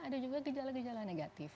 ada juga gejala negatif